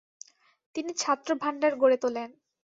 তিনি "ছাত্রভাণ্ডার" গড়ে তোলেন।